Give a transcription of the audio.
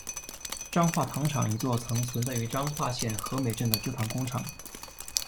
彰化糖厂一座曾存在于彰化县和美镇的制糖工厂。